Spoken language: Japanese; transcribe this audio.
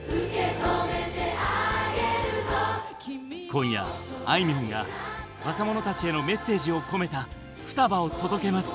今夜あいみょんが若者たちへのメッセージを込めた「双葉」を届けます。